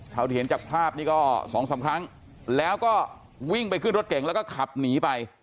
เท่าที่เห็นจากภาพนี้ก็สองสามครั้งแล้วก็วิ่งไปขึ้นรถเก่งแล้วก็ขับหนีไป